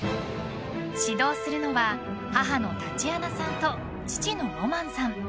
指導するのは母のタチアナさんと父のロマンさん。